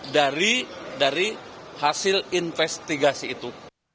dari hasil investigasi itu